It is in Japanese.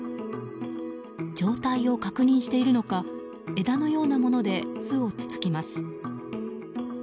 状態を確認しているのか枝のようなもので巣をつつきます。